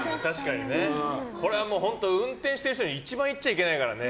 これは運転している人に一番言っちゃいけないからね。